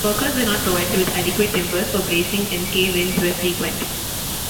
Workers were not provided with adequate timbers for bracing and cave-ins were frequent.